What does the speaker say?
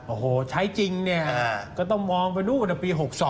โอ้โฮใช้จริงก็ต้องมองไปดูปี๖๒